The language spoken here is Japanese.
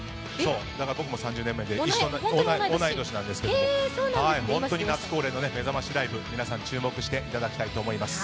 だから僕も３０年目で同い年なんですけど本当に夏恒例のめざましライブ皆さん、注目してください。